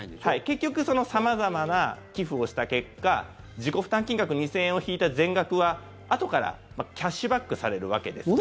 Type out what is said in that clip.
結局様々な寄付をした結果自己負担金額２０００円を引いた全額はあとからキャッシュバックされるわけですから。